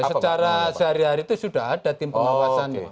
secara sehari hari itu sudah ada tim pengawasannya